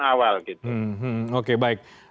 awal gitu oke baik